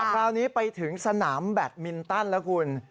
คราวนี้ไปถึงสนามแบตมินตันแล้วคุณ